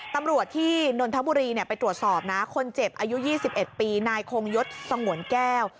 ตำรวจที่นนทบุรีไปตรวจสอบนะคนเจ็บอายุ๒๑ปีนายคงยศสงวนแก้ว